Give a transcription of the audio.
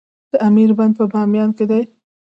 د امیر بند په بامیان کې دی